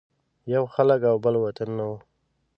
یو خلک او بل وطنونه وو.